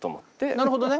なるほどね。